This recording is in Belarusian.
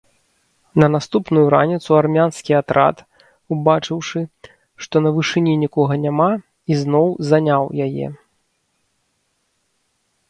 На наступную раніцу армянскі атрад, убачыўшы, што на вышыні нікога няма, ізноў заняў яе.